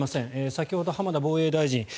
先ほど浜田防衛大臣